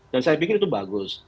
dan saya pikir itu bagus